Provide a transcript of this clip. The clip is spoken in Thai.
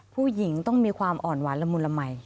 ผู้หญิงต้องมีความอ่อนหวานละมุนละมัย